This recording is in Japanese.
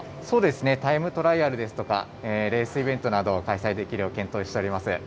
そうですね、タイムトライアルですとか、レースイベントなどを開催できるよう検討しております。